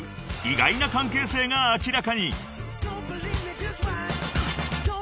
［意外な関係性が明らかに］